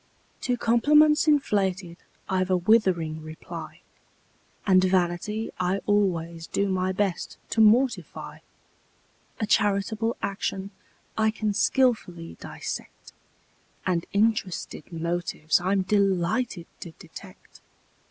To compliments inflated I've a withering reply; And vanity I always do my best to mortify; A charitable action I can skilfully dissect: And interested motives I'm delighted to detect.